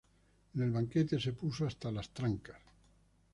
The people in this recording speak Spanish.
En el banquete se puso hasta las trancas